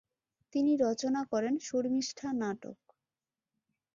তিনি রচনা করেন ‘শর্মিষ্ঠা' নাটক।